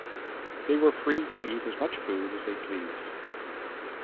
They were free to eat as much food as they pleased.